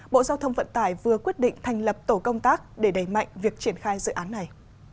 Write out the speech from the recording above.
bộ giao thông vận tải vừa quyết định thành lập tổ công tác để đẩy mạnh việc triển khai dự án này